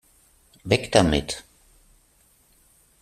Weg damit!